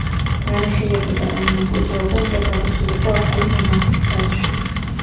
განიხილებოდა, რომ მემკვიდრეობა უნდა გადასულიყო ახალი მონარქის ხელში.